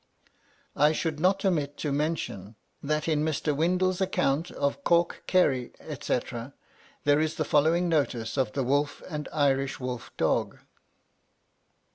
I should not omit to mention, that in Mr. Windle's account of Cork, Kerry, &c., there is the following notice of the wolf and Irish wolf dog.